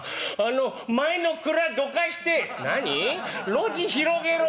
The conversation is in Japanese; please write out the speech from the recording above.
「路地広げろ！」。